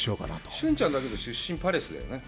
俊ちゃん、だけど、出身はパレスだよね？